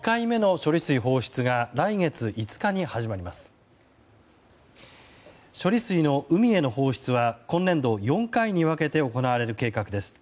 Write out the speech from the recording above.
処理水の海への放出は今年度、４回に分けて行われる計画です。